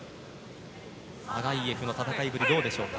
アガイェフの戦いぶりどうでしょうか。